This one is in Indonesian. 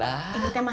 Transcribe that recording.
masakan dede pak